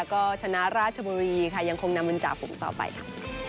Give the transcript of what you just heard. ก็ชนะราชบุรีค่ะยังคงนำเป็นจ่าฝูงต่อไปค่ะ